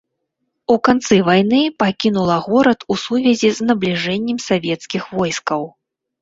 У канцы вайны пакінула горад у сувязі з набліжэннем савецкіх войскаў.